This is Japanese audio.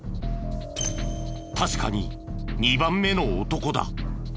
確かに２番目の男だ。